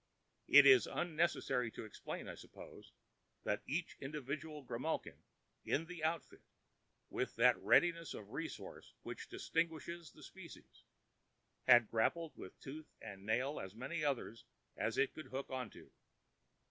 It is unnecessary to explain, I suppose, that each individual grimalkin in the outfit, with that readiness of resource which distinguishes the species, had grappled with tooth and nail as many others as it could hook on to.